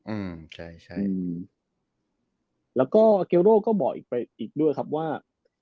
อืมใช่ใช่อืมแล้วก็เกโร่ก็บอกอีกไปอีกด้วยครับว่า